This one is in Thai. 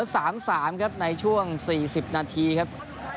๓๓ครับในช่วง๔๐นาทีครับ